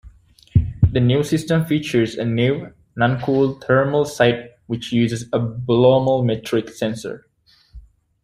The new system features a new, non-cooled thermal sight which uses a bolometric sensor.